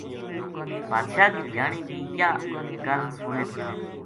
بادشاہ کی دھیانی بی یہ گل سُنے تھی